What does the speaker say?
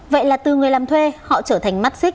vậy là từ người làm thuê họ trở thành mắt xích